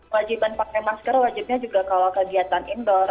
wajiban pakai masker wajibnya juga kalau kegiatan indoor